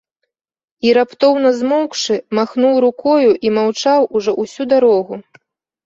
І раптоўна змоўкшы, махнуў рукою і маўчаў ужо ўсю дарогу.